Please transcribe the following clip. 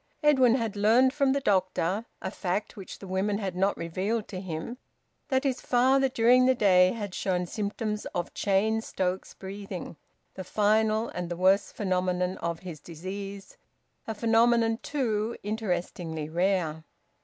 Edwin had learnt from the doctor a fact which the women had not revealed to him that his father during the day had shown symptoms of `Cheyne Stokes breathing,' the final and the worst phenomenon of his disease; a phenomenon, too, interestingly rare.